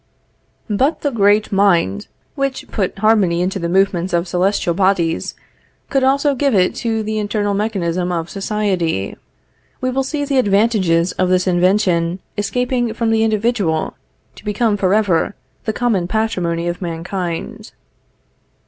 But the great Mind which put harmony into the movements of celestial bodies, could also give it to the internal mechanism of society. We will see the advantages of this invention escaping from the individual, to become forever the common patrimony of mankind.